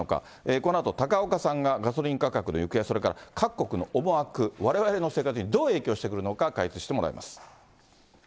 このあと高岡さんがガソリン価格の行方、それから各国の思惑、われわれの生活にどう影響してくるのか、解説してもらいます。